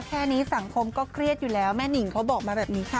แค่นี้สังคมก็เครียดอยู่แล้วแม่นิงเขาบอกมาแบบนี้ค่ะ